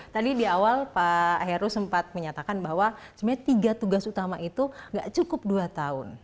tadi di awal pak heru sempat menyatakan bahwa sebenarnya tiga tugas utama itu gak cukup dua tahun